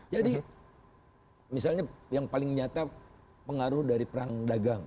jadi misalnya yang paling nyata pengaruh dari perang dagang